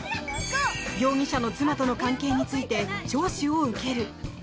容疑者の妻との関係について聴取を受ける。